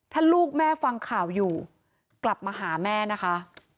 ถ้าลูกแม่ฟังข่าวอยู่กลับมาหาแม่นะคะ